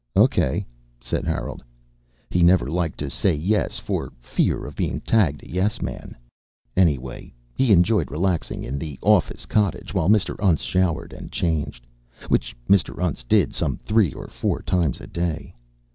"Okay," said Harold. He never liked to say yes for fear of being tagged a yes man. Anyway, he enjoyed relaxing in the office cottage while Mr. Untz showered and changed, which Mr. Untz did some three or four times a day.